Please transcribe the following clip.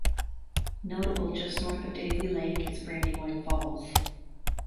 Notable just north of Daisy Lake is Brandywine Falls.